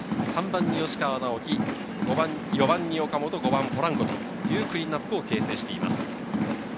３番は吉川尚輝、４番は岡本、５番・ポランコというクリーンナップを形成しています。